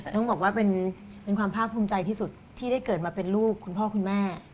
ต้องบอกว่าเป็นความภาคภูมิใจที่สุดที่ได้เกิดมาเป็นลูกคุณพ่อคุณแม่